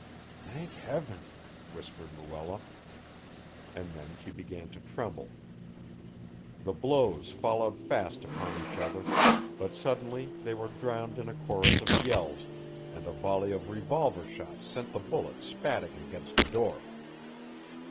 "Thank Heaven!" whispered Luella. And then she began to tremble. The blows followed fast upon each other, but suddenly they were drowned in a chorus of yells, and a volley of revolver shots sent the bullets spatting against the door.